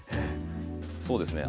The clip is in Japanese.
そうですね